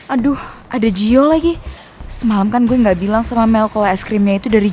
aduh ada gio lagi semalam kan gue gak bilang sama mel kalo es krimnya itu dari gio